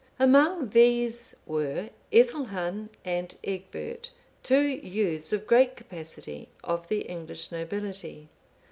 Among these were Ethelhun and Egbert,(488) two youths of great capacity, of the English nobility.